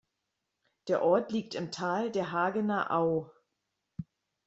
Der Ort liegt im Tal der Hagener Au.